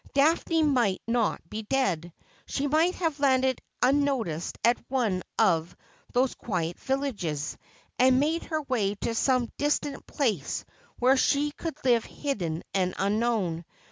Daphne might not be dead. She might have landed unnoticed at one of those quiet villages, and made her way to some distant place where she could live hidden and unknown.